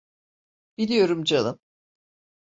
Biliyorum canım.